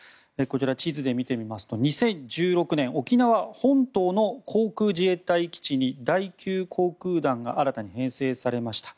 地図で見てみますと２０１６年沖縄本島の航空自衛隊基地に第９航空団が新たに編成されました。